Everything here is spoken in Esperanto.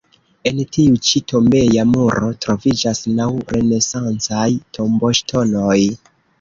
En tiu ĉi tombeja muro troviĝas naŭ renesancaj tomboŝtonoj.